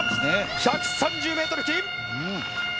１３０ｍ付近。